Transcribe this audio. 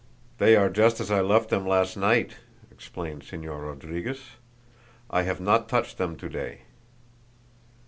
"They are just as I left them last night," explained Señor Rodriguez. "I have not touched them to day."